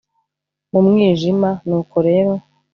Mu mwijima nuko rero